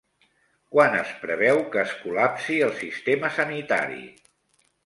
Quan es preveu que es col·lapsi el sistema sanitari?